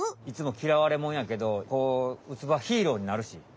いつもきらわれもんやけどウツボはヒーローになるし。